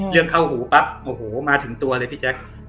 เรื่องข้าวหูมาถึงตัวเลยพี่แจ็ค